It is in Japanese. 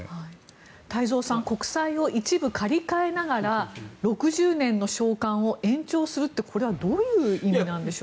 太蔵さん国債を一部借り換えながら６０年の償還を延長するって、これはどういう意味なんでしょう。